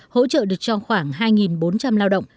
hỗ trợ được cho khoảng hai bốn trăm linh lao động